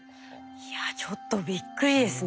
いやちょっとびっくりですね。